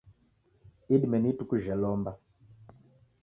Idime ni ituku jhe lomba.